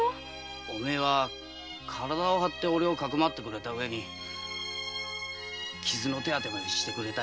お前は体を張って隠まってくれた上に傷の手当てまでしてくれた。